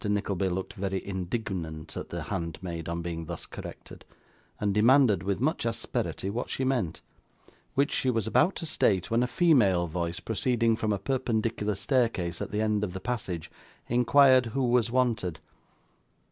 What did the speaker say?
Nickleby looked very indignant at the handmaid on being thus corrected, and demanded with much asperity what she meant; which she was about to state, when a female voice proceeding from a perpendicular staircase at the end of the passage, inquired who was wanted.